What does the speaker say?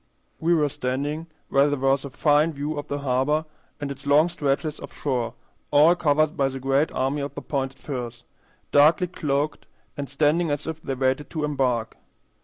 We were standing where there was a fine view of the harbor and its long stretches of shore all covered by the great army of the pointed firs, darkly cloaked and standing as if they waited to embark.